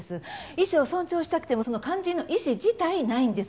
意思を尊重したくてもその肝心の意思自体ないんです。